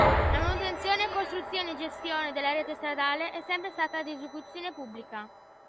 La manutenzione, costruzione e gestione della rete stradale è sempre stata ad esecuzione pubblica.